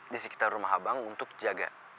di sekitar rumah abang untuk jaga